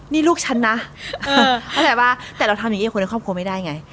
นี่ลูกฉันนะเข้าใจป่ะแต่เราทำอย่างนี้กับคนในครอบครัวไม่ได้ไง